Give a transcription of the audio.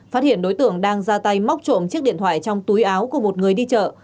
phát hiện đối tượng đang ra tay móc trộm chiếc điện thoại trong túi áo của một người đi chợ